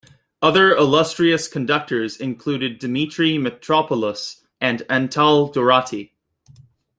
Other illustrious conductors included Dimitri Mitropoulos and Antal Dorati.